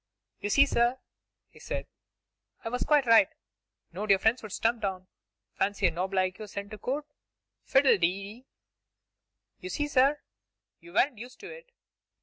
'You see, sir,' he said, 'I was quite right. Knowed your friends would stump down. Fancy a nob like you being sent to quod! Fiddlededee! You see, sir, you weren't used to it.